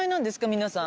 皆さん。